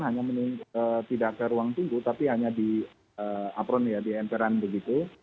hanya tidak ke ruang tunggu tapi hanya di apron ya di emperan begitu